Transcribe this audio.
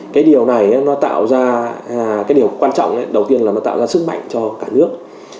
cái điều này nó tạo ra cái điều quan trọng đầu tiên là nó tạo ra sức mạnh cho cả nước